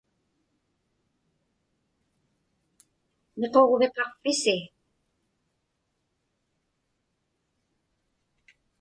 Miquġviqaqpisi?